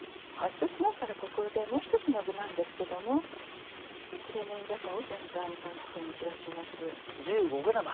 そうしましたらここでもう１つの具なんですけどもちりめんじゃこを全体にこんなふうに散らします。